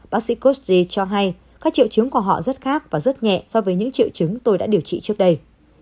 bác sĩ kosgy cho hay các triệu chứng của họ rất khác và rất nhẹ so với những triệu chứng tôi đã điều trị trước đây